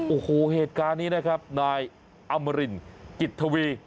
โอ้โหเหตุการณ์นี้นะครับนายอมรินกิจทวี